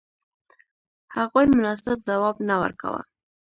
هغوی مناسب ځواب نه ورکاوه.